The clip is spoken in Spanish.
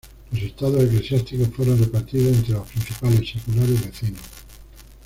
Los estados eclesiásticos fueron repartidos entre los principados seculares vecinos.